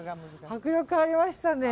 迫力ありましたね。